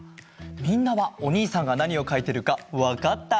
みんなはおにいさんがなにをかいてるかわかった？